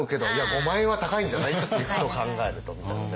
５万円は高いんじゃない？っていうことを考えるとみたいなね。